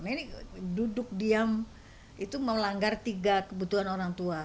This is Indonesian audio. ini duduk diam itu melanggar tiga kebutuhan orang tua